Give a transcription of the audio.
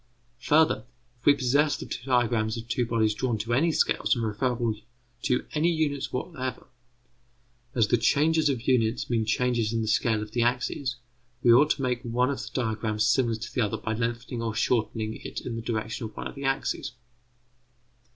Further, if we possess the diagrams of two bodies drawn to any scales and referable to any units whatever, as the changes of units mean changes in the scale of the axes, we ought to make one of the diagrams similar to the other by lengthening or shortening it in the direction of one of the axes.